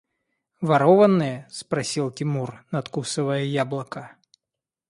– Ворованные? – спросил Тимур, надкусывая яблоко.